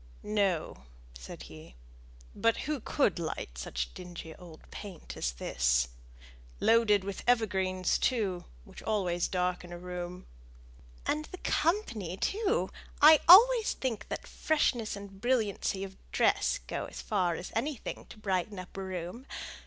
"No," said he; "but who could light such dingy old paint as this, loaded with evergreens, too, which always darken a room?" "And the company, too! I always think that freshness and brilliancy of dress go as far as anything to brighten up a room.